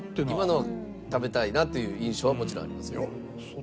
今のは食べたいなという印象はもちろんありますよね。